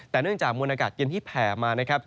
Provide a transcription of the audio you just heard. แต่เนื่องจากมวลอากาศเย็นที่แผ่มานะครับ